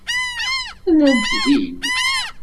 Llant din.